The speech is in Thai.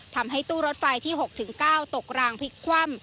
ทำให้ตู้รถไฟที่๖๙ตกรางพลิกคว่ำ